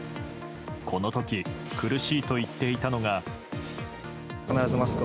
この時苦しいと言っていたのが。